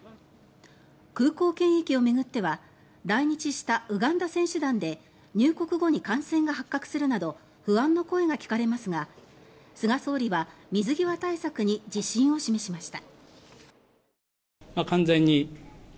空港検疫を巡っては来日したウガンダ選手団で入国後に感染が発覚するなど不安の声が聞かれますが菅総理は水際対策に自信を示しました。